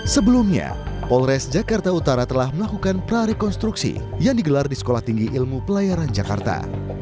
sebelumnya polres jakarta utara telah melakukan prarekonstruksi yang digelar di sekolah tinggi ilmu pelayaran jakarta